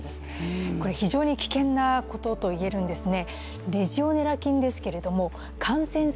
非常に危険なことと言えるんですね。